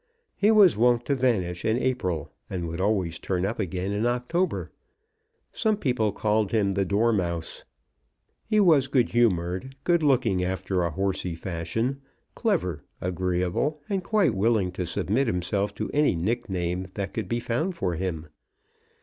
He was wont to vanish in April, and would always turn up again in October. Some people called him the dormouse. He was good humoured, good looking after a horsey fashion, clever, agreeable, and quite willing to submit himself to any nickname that could be found for him.